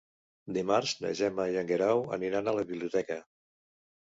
Dimarts na Gemma i en Guerau aniran a la biblioteca.